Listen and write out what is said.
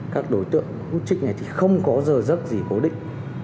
các đối tượng tiêm trích này thì không có dơ dớt gì cố định